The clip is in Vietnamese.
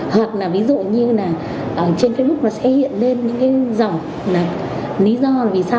hoặc là ví dụ như là trên facebook nó sẽ hiện lên những cái dòng lý do vì sao